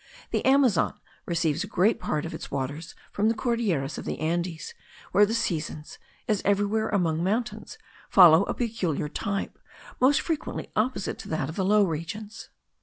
The Amazon receives a great part of its waters from the Cordillera of the Andes, where the seasons, as everywhere among mountains, follow a peculiar type, most frequently opposite to that of the low regions.